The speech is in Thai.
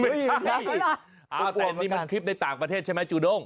ไม่ใช่แต่นี่มันคลิปในต่างประเทศใช่ไหมจูด้ง